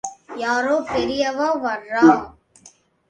யாரோ பெரியவா வர்றா!...